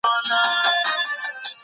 د سولي لپاره پرله پسې هڅي کیدلې.